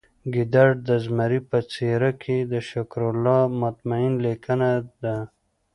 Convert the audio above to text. ګیدړ د زمري په څیره کې د شکرالله مطمین لیکنه ده